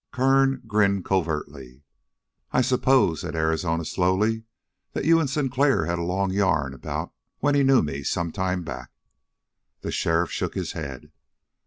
Kern grinned covertly. "I s'pose," said Arizona slowly, "that you and Sinclair had a long yarn about when he knew me some time back?" The sheriff shook his head.